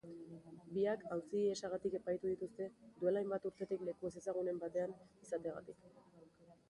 Biak auzi-ihesagatik epaitu dituzte duela hainbat urtetik leku ezezagunen batean izateagatik.